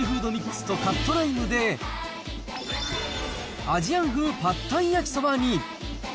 焼きそばがシーフードミックスとカットライムで、アジアン風パッタイ焼きそばに。